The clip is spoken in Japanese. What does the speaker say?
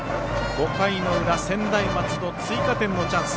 ５回の裏、専大松戸追加点のチャンス。